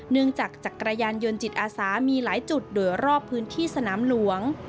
จากจักรยานยนต์จิตอาสามีหลายจุดโดยรอบพื้นที่สนามหลวง